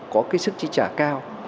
có cái sức trị trả cao